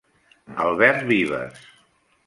Albert Vives.